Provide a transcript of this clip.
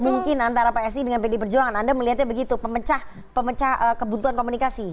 mungkin antara psi dengan pd perjuangan anda melihatnya begitu pemecah pemecah kebutuhan komunikasi